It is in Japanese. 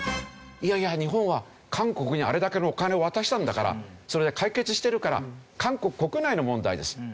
いやいや日本は韓国にあれだけのお金を渡したんだからそれで解決してるから韓国国内の問題です。